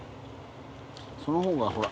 その方がほら。